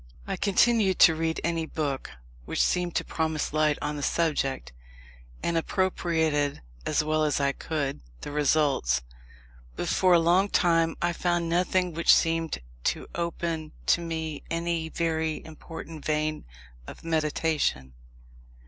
I continued to read any book which seemed to promise light on the subject, and appropriated, as well as I could, the results; but for a long time I found nothing which seemed to open to me any very important vein of meditation.